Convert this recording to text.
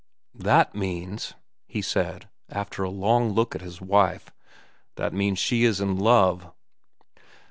"That means," he said, after a long look at his wife, "that means she is in love."